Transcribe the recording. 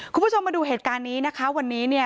คุณผู้ชมมาดูเหตุการณ์นี้นะคะวันนี้เนี่ย